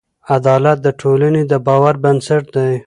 عدالت د ټولنې د باور بنسټ دی.